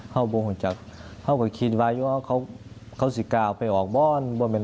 เราก็ไม่ว่าจะเราเกิดคิดว่าอยู่เราสิก่าไปออกบ้าน